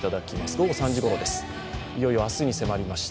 午後３時頃です、いよいよ明日に迫りました